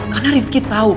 karena rifqi tahu pak